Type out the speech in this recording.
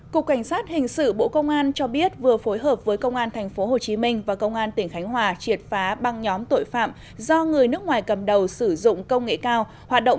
cục cảnh sát hình sự bộ công an cho biết vừa phối hợp với công an tp hcm và công an tỉnh khánh hòa triệt phá băng nhóm tội phạm do người nước ngoài cầm đầu sử dụng công nghệ cao